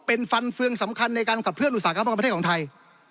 เป็นฟันเฟืองสำคัญในการขับเคลื่อนอุตสาหกรรมประเทศของไทย